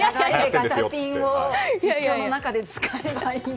ガチャピンを実況の中で使えない。